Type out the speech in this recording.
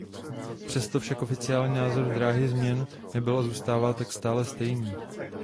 Přesto však oficiální název dráhy změněn nebyl a zůstává tak stále stejný.